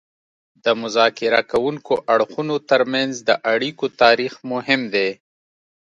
د مذاکره کوونکو اړخونو ترمنځ د اړیکو تاریخ مهم دی